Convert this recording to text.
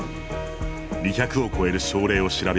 ２００を超える症例を調べ上げ